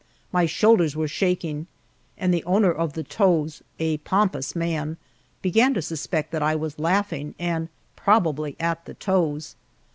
My shoulders were shaking, and the owner of the toes a pompous man began to suspect that I was laughing and probably at the toes.